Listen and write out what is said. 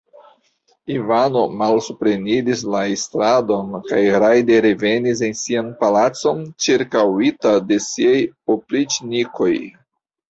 Ivano malsupreniris la estradon kaj rajde revenis en sian palacon, ĉirkaŭita de siaj opriĉnikoj.